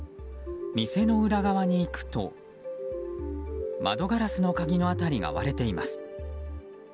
店の裏側に行くと窓ガラスの鍵の辺りが割れています。